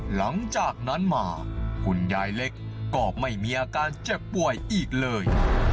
หลังจากนั้นมาคุณยายเล็กก็ไม่มีอาการเจ็บป่วยอีกเลย